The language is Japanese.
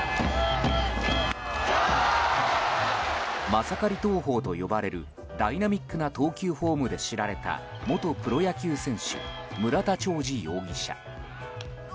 マサカリ投法と呼ばれるダイナミックな投球フォームで知られた元プロ野球選手村田兆治容疑者。